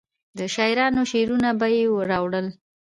د شاعرانو شعرونه به یې راوړل.